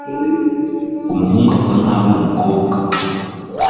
Umuhungu avuga nkaho ari umukobwa.